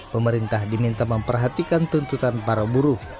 pemerintah diminta memperhatikan tuntutan para buruh